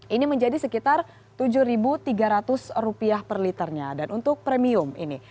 ini menjadi sekitar rp tujuh tiga ratus per liternya dan untuk premium ini